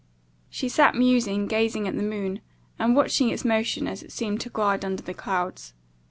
She sat musing, gazing at the moon, and watching its motion as it seemed to glide under the clouds.